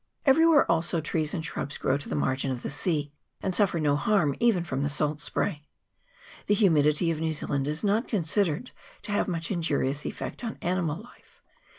Everywhere also trees and shrubs grow to the margin of the sea, and suffer no harm even from the salt spray. The humidity of New Zealand is not considered to have much injurious effect on animal life.